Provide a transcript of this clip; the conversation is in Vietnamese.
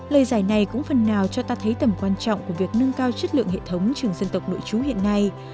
lời giải này cũng phần nào cho ta thấy tầm quan trọng của việc nâng cao chất lượng hệ thống trường dân tộc nội chú hiện nay